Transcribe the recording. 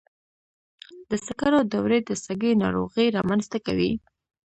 د سکرو دوړې د سږي ناروغۍ رامنځته کوي.